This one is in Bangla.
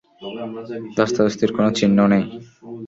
ধস্তাধস্তির কোনও চিহ্ন নেই।